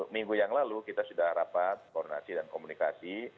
minggu yang lalu kita sudah rapat koordinasi dan komunikasi